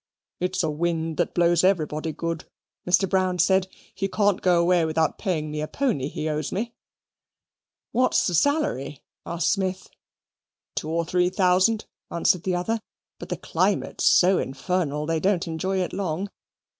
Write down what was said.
"It's a wind that blows everybody good," Mr. Brown said. "He can't go away without paying me a pony he owes me." "What's the salary?" asked Smith. "Two or three thousand," answered the other. "But the climate's so infernal, they don't enjoy it long.